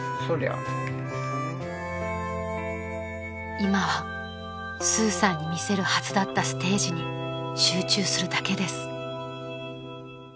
［今はスーさんに見せるはずだったステージに集中するだけです］